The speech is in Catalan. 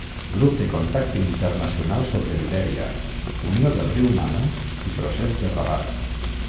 Grup de Contacte Internacional sobre Libèria, Unió del Riu Mano i Procés de Rabat.